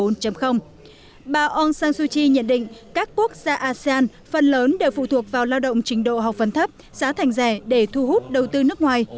nhận định các quốc gia asean phần lớn đều phụ thuộc vào lao động trình độ học phần thấp giá thành rẻ để thu hút đầu tư nước ngoài